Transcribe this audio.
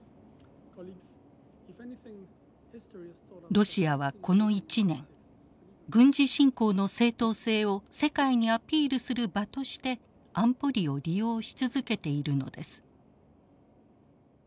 ロシアはこの１年軍事侵攻の正当性を世界にアピールする場として安保理を利用し続けているのです。